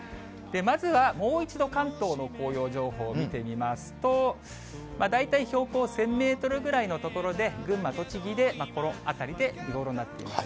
まずはもう一度、関東の紅葉情報を見てみますと、大体標高１０００メートルぐらいの所で、群馬、栃木で、この辺りで見頃になっています。